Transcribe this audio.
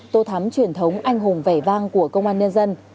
tô thắm truyền thống anh hùng vẻ vang của công an nhân dân